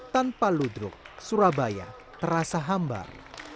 tanpa ludruk surabaya terasa hambar